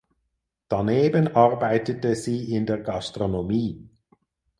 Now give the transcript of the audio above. Daneben arbeitete sie in der Gastronomie.